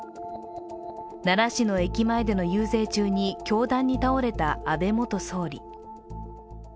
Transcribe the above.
奈良市の駅前での遊説中に凶弾に倒れた安倍元総理。